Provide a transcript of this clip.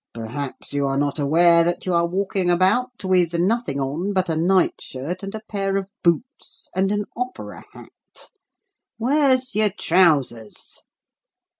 Perhaps you are not aware that you are walking about with nothing on but a night shirt and a pair of boots and an opera hat. Where's your trousers?"